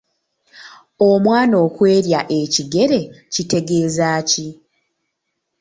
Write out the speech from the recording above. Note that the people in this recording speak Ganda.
Omwana okw’erya ekigere kitegeeza ki?